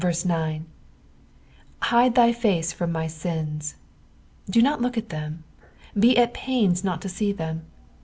'^ Hide thy face from my aim." Do not look at them ; bo at pains not to see them.